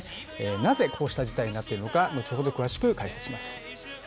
なぜこうした事態になっているのか、後ほど詳しく解説します。